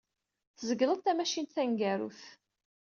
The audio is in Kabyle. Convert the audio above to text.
Tzegled tamacint taneggarut.